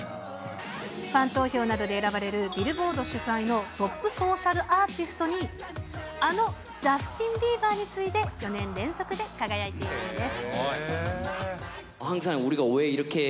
ファン投票などで選ばれるビルボード主催のトップソーシャルアーティストに、あのジャスティン・ビーバーに次いで４年連続で輝いているんです。